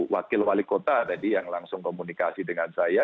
wakil wali kota tadi yang langsung komunikasi dengan saya